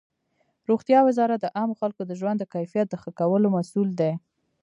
روغتیا وزارت د عامو خلکو د ژوند د کیفیت د ښه کولو مسؤل دی.